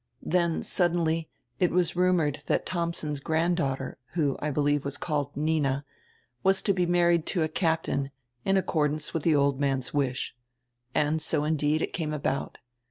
Then suddenly it was rumored diat Thomsen's grand daughter, who, I believe, was called Nina, was to he married to a captain, in accordance widi die old man's wish. And so indeed it came about.